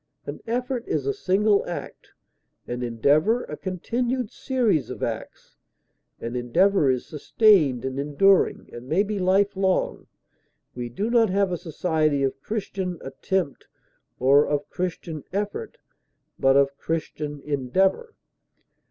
An effort is a single act, an endeavor a continued series of acts; an endeavor is sustained and enduring, and may be lifelong; we do not have a society of Christian Attempt, or of Christian Effort, but of Christian Endeavor.